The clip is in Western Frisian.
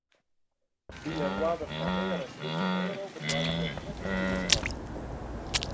By in oarder fan mear as fyftich euro betelje jo gjin ferstjoerskosten.